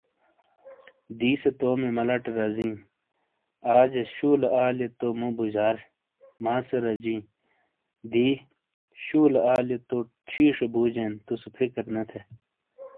دی سے تومی ملہ ٹے رزئیں، آجے شولے آلئیے تو مو بوجار ، ماں سے رجی ؛ دی شولے آلیئے تو چھِیشے بُوجین تُو سے فکر نے تھے ۔